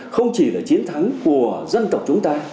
không chỉ là chiến thắng của dân tộc chúng ta